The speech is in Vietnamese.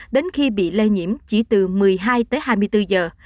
đến khi bị lây nhiễm chỉ từ một mươi hai tới hai mươi bốn giờ